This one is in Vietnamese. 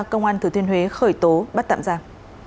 công an thừa thiên huế khởi tố bắt tạm giam